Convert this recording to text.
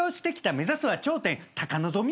「目指すは頂点高望み？」